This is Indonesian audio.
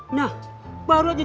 kenapa bapak sudah ajang